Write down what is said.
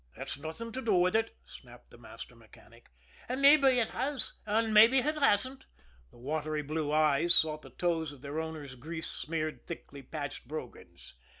"That's nothing to do with it," snapped the master mechanic. "Mabbe ut has, an' mabbe ut hasn't." The watery blue eyes sought the toes of their owner's grease smeared, thickly patched brogans.